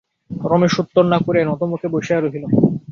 রমেশ উত্তর না করিয়া নতমুখে বসিয়া রহিল।